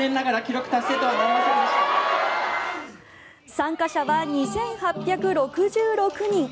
参加者は２８６６人。